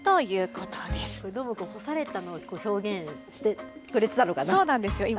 これ、どーもくん、干されたのを表現してくれてたのかな？そうなんですよ、今。